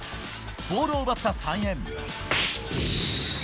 ボールを奪った三遠。